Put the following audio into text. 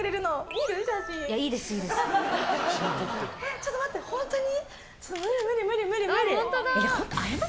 ちょっと待って、本当に？